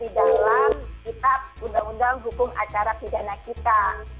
di dalam kitab undang undang hukum acara pidana kita